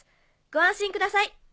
ご安心ください。